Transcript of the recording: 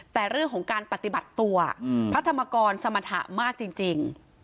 แต่เรื่องของการปฏิบัติตัวพระธรรมกรสมรรถะมากจริง